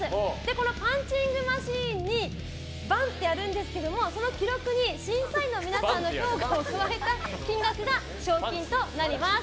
このパンチングマシンにバンってやるんですけどもその記録に審査員の皆さんの評価を加えた金額が賞金となります。